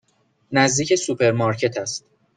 نزدیک سوپرمارکت است.